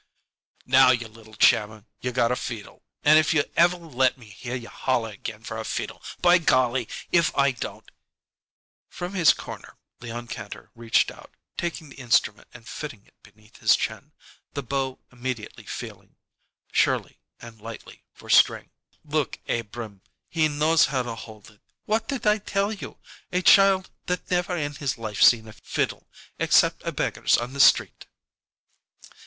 "Now, you little chammer, you got a feedle, and if you ever let me hear you holler again for a feedle, by golly! if I don't " From his corner, Leon Kantor reached out, taking the instrument and fitting it beneath his chin, the bow immediately feeling, surely and lightly, for string. "Look, Abrahm, he knows how to hold it! What did I tell you? A child that never in his life seen a fiddle, except a beggar's on the street!"